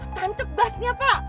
tancap gasnya pa